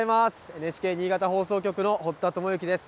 ＮＨＫ新潟放送局の堀田智之です。